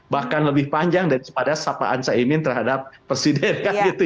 bahkan lebih panjang daripada sapaan caimi terhadap presiden kan gitu ya